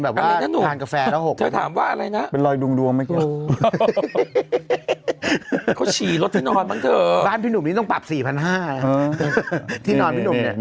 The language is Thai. เอาหมดได้เหรอ